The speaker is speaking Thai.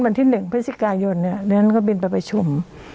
วันที่หนึ่งพฤศจิกายนเนี่ยดังนั้นก็บินไปประชุม